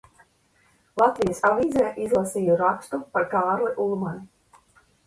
"Latvijas Avīzē" izlasīju rakstu par Kārli Ulmani.